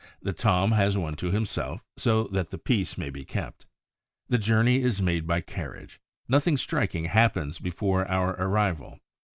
The Tom has one to himself, so that the peace may be kept. The journey is made by carriage. Nothing striking happens before our arrival.